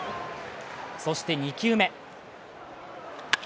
そして２球目。